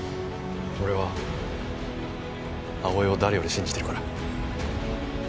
俺は葵を誰より信じてるから。